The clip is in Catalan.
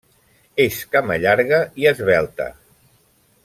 És camallarga i esvelta.